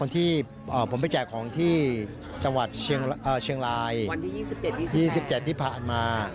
วันที่๒๗ยี่สิบแปดอย่างนี้ที่วันที่๒๗ที่ผ่านมา